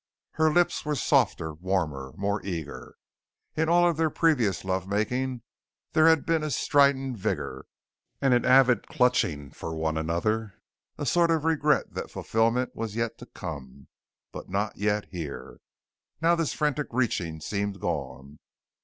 Her lips were softer, warmer. More eager. In all of their previous lovemaking there had been a strident vigor and an avid clutching for one another, a sort of regret that fulfillment was yet to come, but not yet here. Now this frantic reaching seemed gone.